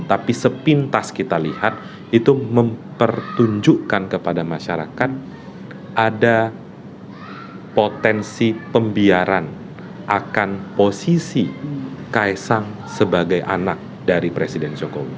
tapi sepintas kita lihat itu mempertunjukkan kepada masyarakat ada potensi pembiaran akan posisi kaisang sebagai anak dari presiden jokowi